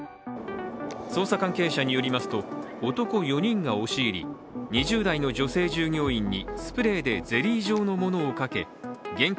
捜査関係者によりますと、男４人が押し入り、２０代の女性従業員にスプレーでゼリー状のものをかけ現金